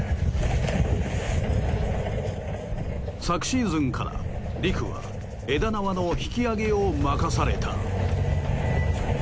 昨シーズンから陸は枝縄の引き上げを任された。